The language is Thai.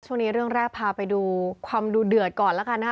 ช่วงนี้เรื่องแรกพาไปดูความดูเดือดก่อนแล้วกันนะคะ